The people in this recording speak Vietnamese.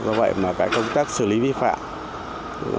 do vậy công tác xử lý vi phạm